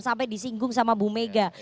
sampai disinggung sama bu mega